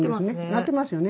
なってますよね。